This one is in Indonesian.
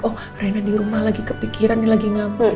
oh reyna di rumah lagi kepikiran lagi ngambek